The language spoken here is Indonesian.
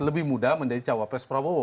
lebih muda menjadi cawapres prabowo